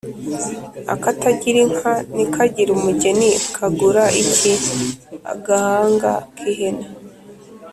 Akatagira inka ntikagire umugeni kagura iki ?-Agahanga k'ihene.